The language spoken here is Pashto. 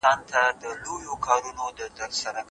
تجربه تر علم ځيني وخت مهمه وي.